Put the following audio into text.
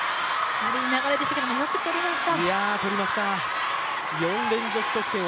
いい流れでしたけど、よく取れました。